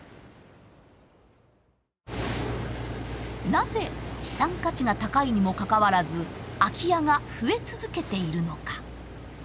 なぜ資産価値が高いにもかかわらず空き家が増え続けているのか。